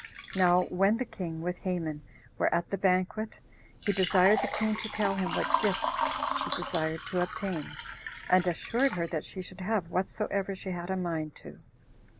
Now when the king, with Haman, were at the banquet, he desired the queen to tell him what gifts she desired to obtain, and assured her that she should have whatsoever she had a mind to.